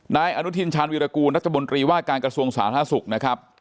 นายอนุทินชาญวิรากูลรัฐบนตรีว่าการกระทรวงสาธารณสุขนะครับ